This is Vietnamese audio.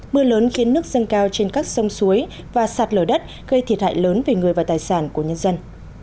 mưa lớn khiến nước dâng cao trên các sông suối và sạt lở đất gây thiệt hại lớn về người và tài sản của nhân dân